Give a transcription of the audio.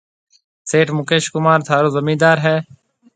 سيٺ مڪيش ڪمار ٿارو زميندار هيَ۔